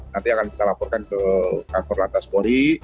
nanti akan kita laporkan ke kantor lantas polri